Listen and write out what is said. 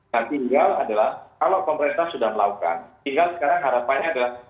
nah tinggal adalah kalau pemerintah sudah melakukan tinggal sekarang harapannya adalah